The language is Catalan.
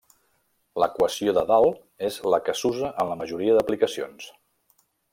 L'equació de dalt és la que s'usa en la majoria d'aplicacions.